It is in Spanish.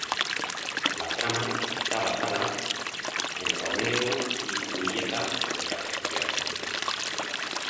La trama está basada en "Romeo y Julieta" de Shakespeare.